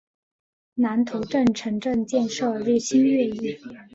南头镇城镇建设日新月异。